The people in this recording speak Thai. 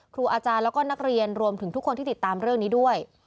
ครูอาจารย์แล้วก็นักเรียนรวมถึงทุกคนที่ติดตามเรื่องนี้ด้วย